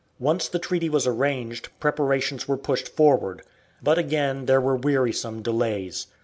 Once the treaty was arranged preparations were pushed forward, but again there were wearisome delays.